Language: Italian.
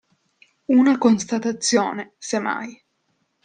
Una constatazione, se mai.